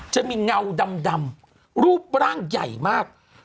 เงาดำรูปร่างใหญ่มาก